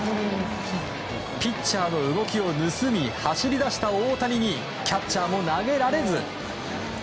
ピッチャーの動きを盗み走り出した大谷にキャッチャーも投げられず。